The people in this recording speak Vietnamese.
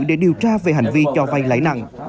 để điều tra về hành vi cho vay lãi nặng